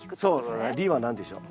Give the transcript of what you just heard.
「リ」は何でしょう？